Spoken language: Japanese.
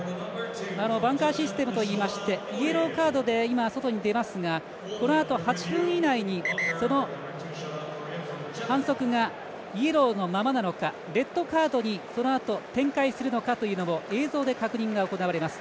バンカーシステムといいましてイエローカードで今、外に出ますがこのあと８分以内に、その反則がイエローのままなのかレッドカードにそのあと展開するのかというのを映像で確認が行われます。